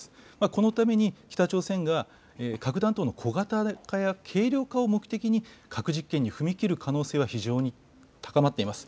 このために北朝鮮が核弾頭の小型化や軽量化を目的に、核実験に踏み切る可能性は非常に高まっています。